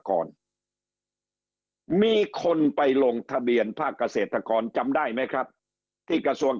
ก่อนมีคนไปลงทะเบียนภาคเกษตรกรจำได้ไหมครับที่กระทรวง